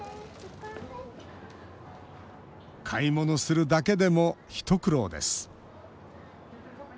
買い物するだけでも一苦労です